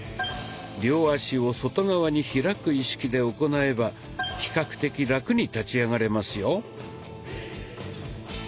両足を外側に開く意識で行えば比較的ラクに立ち上がれますよ。